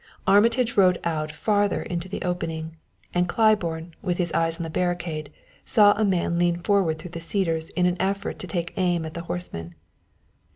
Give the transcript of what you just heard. Armitage rode out farther into the opening, and Claiborne, with his eyes on the barricade, saw a man lean forward through the cedars in an effort to take aim at the horseman.